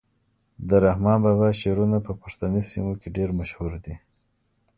د رحمان بابا شعرونه په پښتني سیمو کي ډیر مشهور دي.